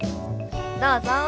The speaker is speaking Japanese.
どうぞ。